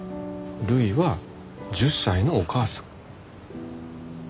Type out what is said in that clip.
るいは１０歳のお母さん。